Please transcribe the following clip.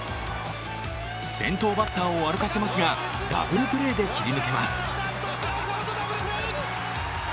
先頭バッターを歩かせますがダブルプレーで切り抜けます。